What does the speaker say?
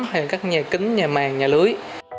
hay các nhà kính nhà màng nhà lưới